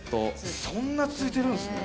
そんな続いてるんすね。